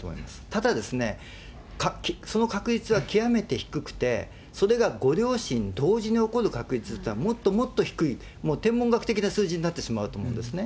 ただですね、その確率は極めて低くて、それがご両親同時に起こる確率ってのはもっともっと低い、天文学的な数字になってしまうと思うんですね。